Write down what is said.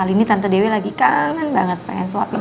kali ini tante dewi lagi kangen banget pengen suapin abi